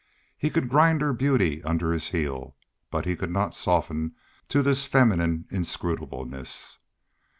He could grind her beauty under his heel, but he could not soften to this feminine inscrutableness.